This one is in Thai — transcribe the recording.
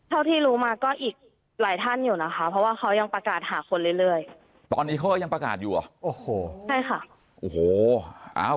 เท่าที่รู้มาก็อีกรายท่านอยู่นะครับเพราะว่าเขายังประกาศหาคนเรื่อยตอนนี้เขายังประกาศอยู่